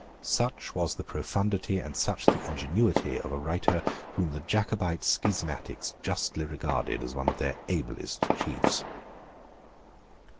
Such was the profundity and such the ingenuity of a writer whom the Jacobite schismatics justly regarded as one of their ablest chiefs.